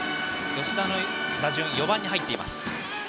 吉田の打順、４番に入っています。